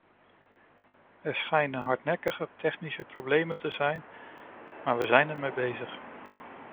Er schijnen hardnekkige technische problemen te zijn, maar we zijn ermee bezig.